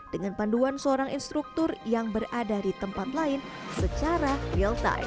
dengan panduan seorang instruktur yang berada di tempat lain secara real time